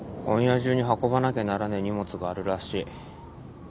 今夜中に運ばなきゃならねえ荷物があるらしい。